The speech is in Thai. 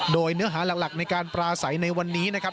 โดยเนื้อหาหลักในการปราศัยในวันนี้นะครับ